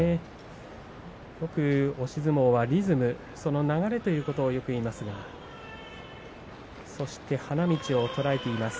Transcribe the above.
よく押し相撲はリズムその流れということをよく言いますがそして花道を捉えています。